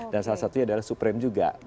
salah satunya adalah supreme juga